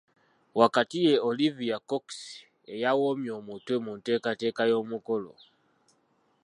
Wakati ye Olivia Cox eyawomye omutwe mu nteekateeka y'omukolo.